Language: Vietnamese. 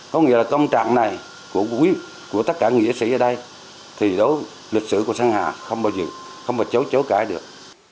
có nghĩa là công trạng này của tất cả nghĩa sĩ ở đây thì đối với lịch sử của sơn hà không bao giờ chối cãi được